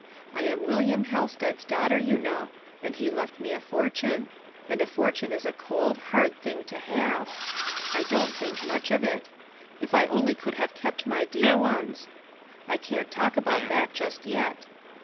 I am William Halsted's daughter, yoa 188 Household Puzzles, kiio\7, and he left me a fortune ; and a fortune is a coid, hard thing to have. I don't think much of it ; if I only could have kept my dear ones ! I can't talk about that just yet.